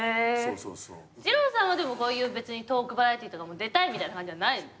じろうさんはこういうトークバラエティーとかも出たいみたいな感じはないんですか？